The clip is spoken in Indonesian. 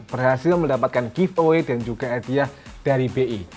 berhasil mendapatkan giveaway dan juga hadiah dari bi